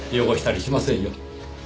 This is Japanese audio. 汚したりしませんよ。